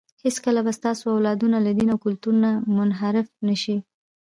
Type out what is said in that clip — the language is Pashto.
هېڅکله به ستاسو اولادونه له دین او کلتور نه منحرف نه شي.